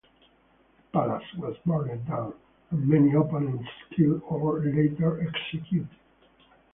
The palace was burned down, and many opponents killed or later executed.